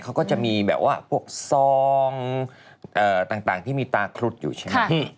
เขาก็จะมีแบบว่าพวกซองต่างที่มีตาครุฑอยู่ใช่ไหม